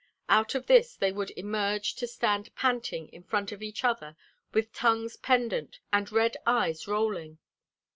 Out of this they would emerge to stand panting in front of each other with tongues pendant and red eyes rolling.